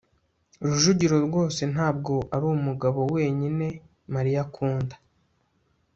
rujugiro rwose ntabwo arumugabo wenyine mariya akunda